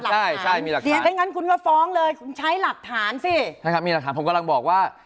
ผมกำลังบอกว่า